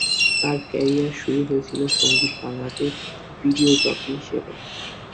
তার কেরিয়ার শুরু হয়েছিল সঙ্গীত বাংলা তে ভিডিও জকি হিসেবে।